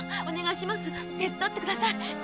手伝ってください。